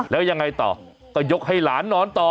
แล้วยังไงต่อก็ยกให้หลานนอนต่อ